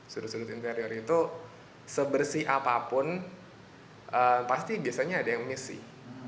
sudut sudut interior itu sebersih apapun pasti biasanya ada yang missy